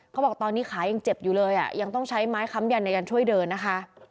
เขาบอกตอนนี้ขายังเจ็บอยู่เลยอ่ะยังต้องใช้ไม้ค้ำยันในการช่วยเดินนะคะ